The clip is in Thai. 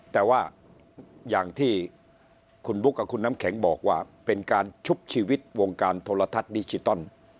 แต่ว่าอย่างที่คุณบุ๊คกับคุณน้ำแข็งบอกว่าเป็นการชุบชีวิตวงการโทรทัศน์ดิจิตอล